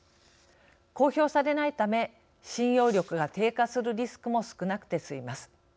公表されないため信用力が低下するリスクも少なくてすみます。